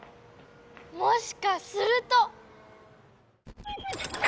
もしかすると！